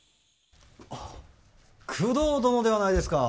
あっ工藤殿ではないですか。